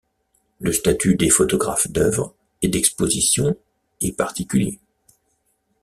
Le statut des photographes d’œuvre et d’exposition est particulier.